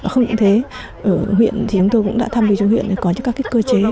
không cũng thế ở huyện thì chúng tôi cũng đã tham dự cho huyện có những cơ chế